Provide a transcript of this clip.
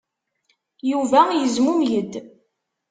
Yuba yezmumeg-d.